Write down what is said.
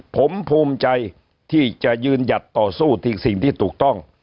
ผมภูมิใจที่จะยืนหยัดต่อสู้ที่สิ่งที่ถูกต้อง